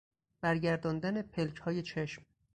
برگرداندن پلکهای چشم